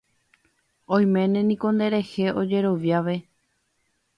Oiméne niko nderehe ojeroviave.